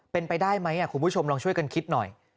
เป็นไปได้ไหมคุณผู้ชมลองช่วยกันคิดหน่อย